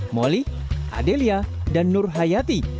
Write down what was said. moli adelia dan nur hayati